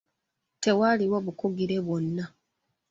Tewaaliwo bukugire bwonna.